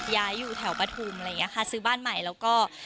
ย้ายอยู่แถวปฐุมอะไรอย่างนี้ค่ะซื้อบ้านใหม่แล้วก็